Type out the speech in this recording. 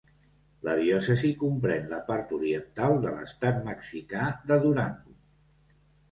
La diòcesi comprèn la part oriental de l'estat mexicà de Durango.